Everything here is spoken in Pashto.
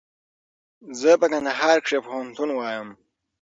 زه په کندهار کښي پوهنتون وایم.